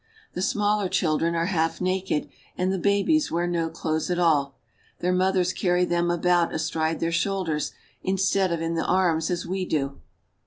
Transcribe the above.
The smaller children are half naked, and the babies wear no clothes at all ; their mothers carry them about astride their shoulders, instead of in the arms as we do.